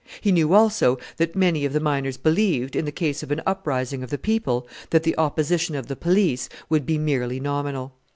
He knew, also, that many of the miners believed, in the case of an uprising of the people, that the opposition of the police would be merely nominal.